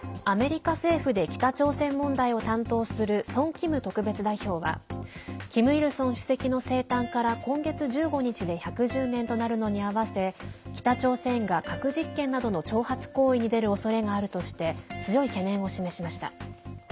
アメリカ政府で北朝鮮問題を担当するソン・キム特別代表はキム・イルソン主席の生誕から今月１５日で１１０年となるのに合わせ北朝鮮が核実験などの挑発行為に出るおそれがあるとして強い懸念を示しました。